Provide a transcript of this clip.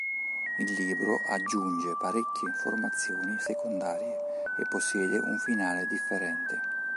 Il libro aggiunge parecchie informazioni secondarie, e possiede un finale differente.